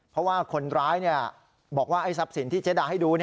เพราะว่าคนร้ายบอกว่าไอ้ทรัพย์สินที่เจ๊ดาให้ดู